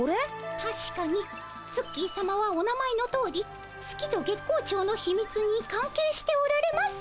たしかにツッキーさまはお名前のとおり月と月光町のひみつに関係しておられます。